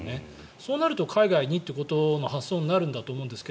そうなると海外にということの発想になるんだと思うんですが。